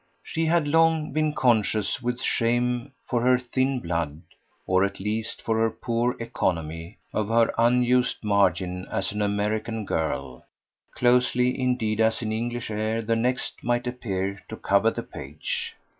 She had long been conscious with shame for her thin blood, or at least for her poor economy, of her unused margin as an American girl closely indeed as in English air the text might appear to cover the page.